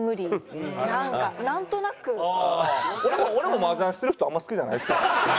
俺も俺も麻雀してる人あんまり好きじゃないしな。